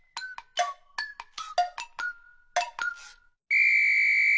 ピッ！